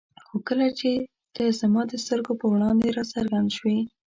خو کله چې ته زما د سترګو په وړاندې را څرګند شوې.